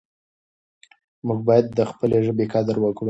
موږ باید د خپلې ژبې قدر وکړو.